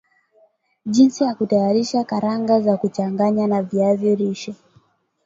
Jinsi ya kutayarisha karanga za kuchanganya na viazi lishe